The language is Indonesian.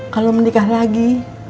kalau menikah lagi